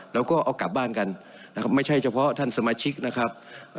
แล้วก็เอากลับบ้านกันนะครับไม่ใช่เฉพาะท่านสมาชิกนะครับ